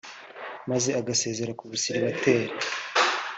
maze agasezera ku busulibatere